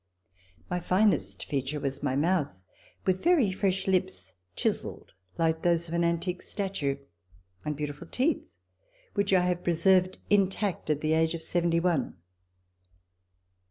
My finest feature was my mouth, with very fresh lips, chiselled like those of an antique statue, and beautiful teeth which I have preserved intact at the age of seventy one.